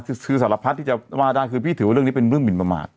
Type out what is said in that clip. คือสารพัดที่จะว่าได้คือพี่ถือว่าเรื่องนี้เป็นเรื่องหมินประมาท